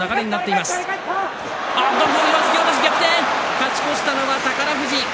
勝ち越したのは宝富士。